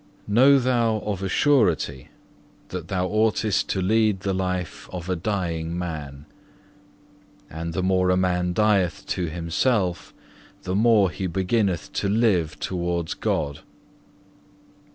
14. Know thou of a surety that thou oughtest to lead the life of a dying man. And the more a man dieth to himself, the more he beginneth to live towards God.